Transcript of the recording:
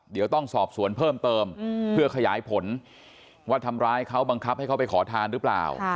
เดี๋ยวต้องสอบสวนเพิ่มเติมเพื่อขยายผลว่าทำร้ายเขาบังคับให้เขาไปขอทานหรือเปล่า